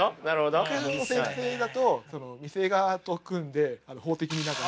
九条先生だと店側と組んで法的に何か。